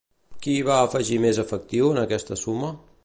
Qui hi va afegir més efectiu en aquesta suma?